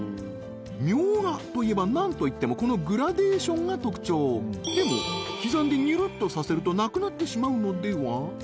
みょうがといえば何といってもこのグラデーションが特徴でも刻んでにゅるっとさせるとなくなってしまうのでは？